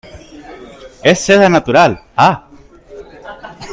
es seda natural. ah .